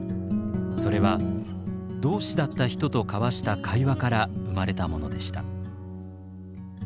それは同志だった人と交わした会話から生まれたものでした。